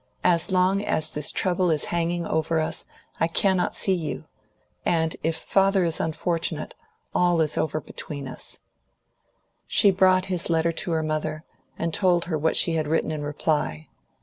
As long as this trouble is hanging over us, I cannot see you. And if father is unfortunate, all is over between us." She brought his letter to her mother, and told her what she had written in reply.